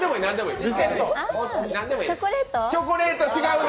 チョコレート、違うね。